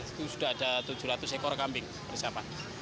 itu sudah ada tujuh ratus ekor kambing persiapan